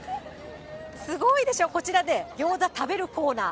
すごいでしょ、こちら、餃子食べるコーナー。